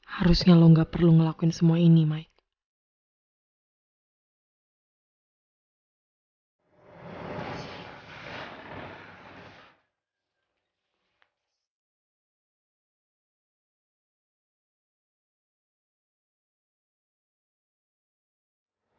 harusnya lo gak perlu ngelakuin semua ini mike